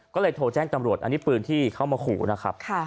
ก็เลยโทรแจ้งตำรวจอันนี้ปืนที่เข้ามาขู่นะครับ